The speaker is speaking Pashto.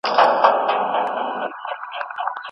د هغه هنر د هر ډول تنقید په وړاندې کلک ولاړ دی.